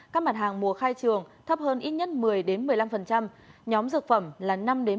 các mặt hàng mùa khai trường thấp hơn ít nhất một mươi một mươi năm nhóm dược phẩm là năm một mươi